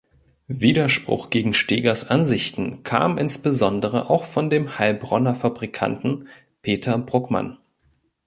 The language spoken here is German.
Widerspruch gegen Stegers Ansichten kam insbesondere auch von dem Heilbronner Fabrikanten Peter Bruckmann.